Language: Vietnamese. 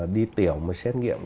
đi tiểu mà xét nghiệm